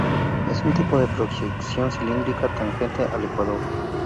Es un tipo de proyección cilíndrica tangente al ecuador.